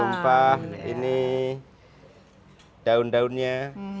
beras tumpah ini daun daunnya